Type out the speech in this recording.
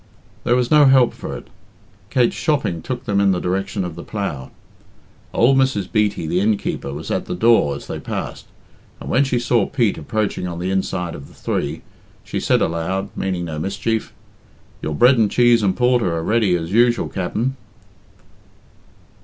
There was no help for it. Kate's shopping took them in the direction of the "Plough." Old Mrs. Beatty, the innkeeper, was at the door as they passed, and when she saw Pete approaching on the inside of the three, she said aloud meaning no mischief "Your bread and cheese and porter are ready, as usual, Capt'n."